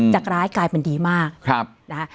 จากร้ายกลายเป็นดีมากนะคะ